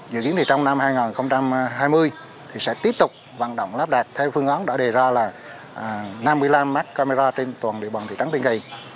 dự kiến thì trong năm hai nghìn hai mươi sẽ tiếp tục vận động lắp đặt theo phương án đã đề ra là năm mươi năm mắt camera trên toàn địa bàn thị trấn tân kỳ